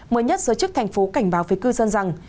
mới nhất giới chức thành phố cảnh báo với cư dân rằng